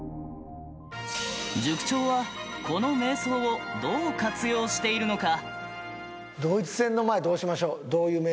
塾長はこの瞑想をどう活用しているのか？